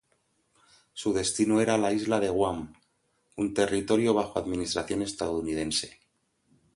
Su destino era la isla de Guam, un territorio bajo administración estadounidense.